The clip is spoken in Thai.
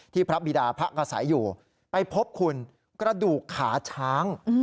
พระบิดาพระอาศัยอยู่ไปพบคุณกระดูกขาช้าง